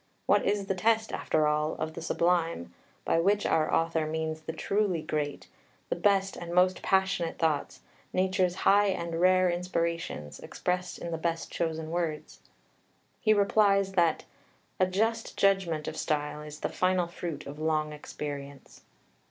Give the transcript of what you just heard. What is the test, after all, of the Sublime, by which our author means the truly great, the best and most passionate thoughts, nature's high and rare inspirations, expressed in the best chosen words? He replies that "a just judgment of style is the final fruit of long experience."